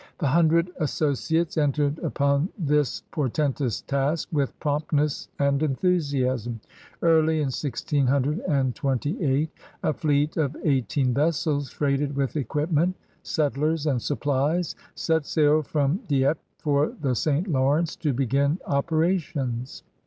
The Hundred Associates entered upon this portentous task with promptness and enthusiasm. Early in 1628 a fleet of eighteen vessels freighted with equipment, settlers, and supplies set sail from Dieppe for the St. Lawrence to begin operations.